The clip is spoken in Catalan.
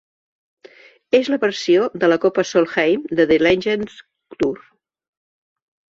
És la versió de la Copa Solheim de The Legends Tour.